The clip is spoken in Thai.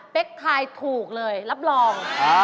เบิกทายถูกเลยรับรอง